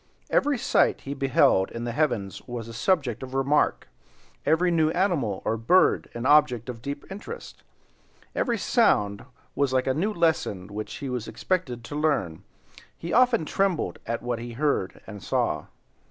Every sight he beheld in the heavens was a subject of remark, every new animal or bird an object of deep interest, and every sound was like a new lesson which he was expected to learn. He often trembled at what he heard and saw.